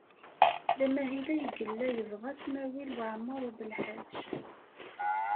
D amahil ay yella yebɣa Smawil Waɛmaṛ U Belḥaǧ.